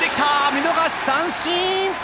見逃し三振！